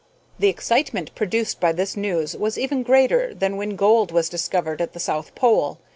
The excitement produced by this news was even greater than when gold was discovered at the south pole.